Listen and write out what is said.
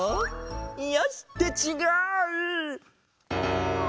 よし！ってちがう！